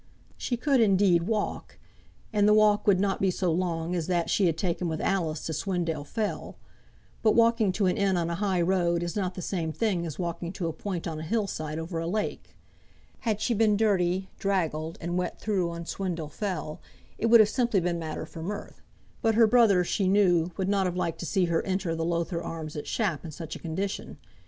She could, indeed, walk, and the walk would not be so long as that she had taken with Alice to Swindale fell; but walking to an inn on a high road, is not the same thing as walking to a point on a hill side over a lake. Had she been dirty, draggled, and wet through on Swindale fell, it would have simply been matter for mirth; but her brother she knew would not have liked to see her enter the Lowther Arms at Shap in such a condition.